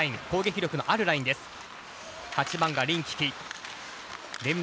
攻撃力のあるラインです。